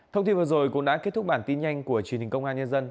thông tin vừa rồi cũng đã kết thúc bản tin nhanh của truyền hình công an nhân dân